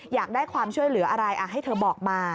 อยากได้ความช่วยเหลืออะไรให้เธอบอกมา